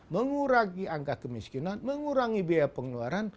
mengurangi angka kemiskinan mengurangi biaya pengeluaran